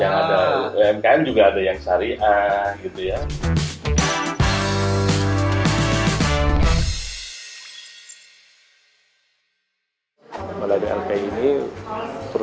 yang ada mkm juga ada yang syariah gitu ya